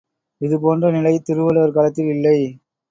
இதுபோன்ற நிலை திருவள்ளுவர் காலத்தில் இல்லை!